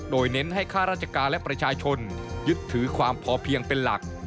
โดยเน้นให้ข้าราชการและประชาชนยึดถือความพอเพียงเป็นหลัก